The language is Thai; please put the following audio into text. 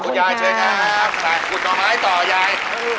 ของหน่อไม้ต่อยาย